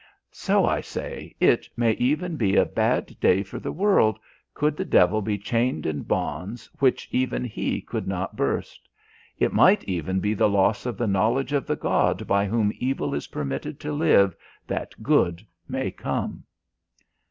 So, I say, it may even be a bad day for the world could the devil be chained in bonds which even he could not burst. It might even be the loss of the knowledge of the God by whom evil is permitted to live that good may come."